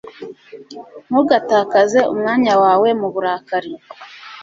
ntugatakaze umwanya wawe mu burakari